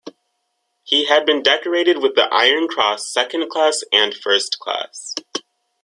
He had been decorated with the Iron Cross Second Class and First Class.